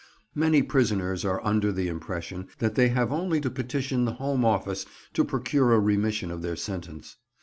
Many prisoners are under the impression that they have only to petition the Home Office to procure a remission of their sentence.